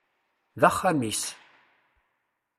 D axxam-is.